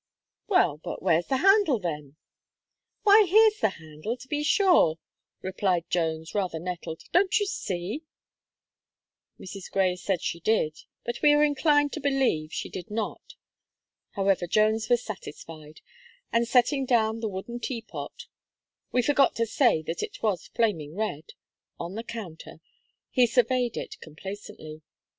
"Well, but where's the handle, then?" "Why, here's the handle, to be sure," replied Jones, rather nettled, "don't you see?" Mrs. Gray said she did; but we are inclined to believe she did not. However, Jones was satisfied; and, setting down the wooden Teapot we forgot to say that it was flaming red on the counter, he surveyed it complacently.